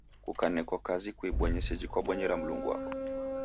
Kukanekwa kazi kuibonye seji kwabonyera Mlungu wako.